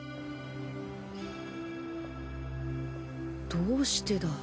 どうしてだ。